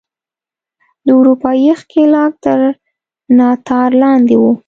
د اروپايي ښکېلاک تر ناتار لاندې وو.